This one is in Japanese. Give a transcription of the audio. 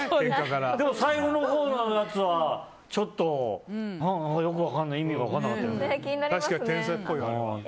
でも、最後のほうのやつはちょっと何かよく分からない意味が分からなかったよね。